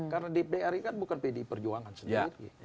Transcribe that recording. karena di bri kan bukan pdi perjuangan sendiri